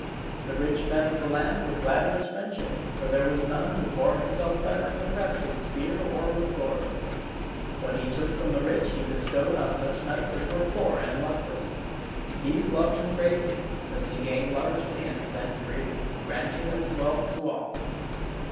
The rich men of the land were glad of his friendship, for there was none who bore himself better in the press with spear or with sword. What he took from the rich he bestowed on such knights as were poor and luckless. These loved him greatly, since he gained largely and spent freely, granting of his wealth to all.